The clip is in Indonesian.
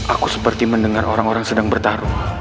aku seperti mendengar orang orang sedang bertarung